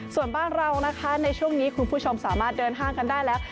ส่วนบ้านเรานะคะในช่วงนี้คุณผู้ชมสามารถเดินห้างกันได้แล้ว